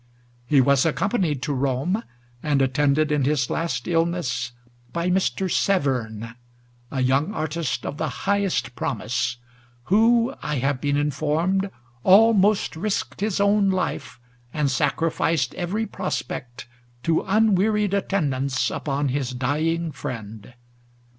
He was accompanied to Rome and attended in his last illness by Mr. Severn, a young artist of the highest promise, who, I have been informed, ' almost risked his own life, and sacrificed every prospect to unwearied attendance upon his dying friend.'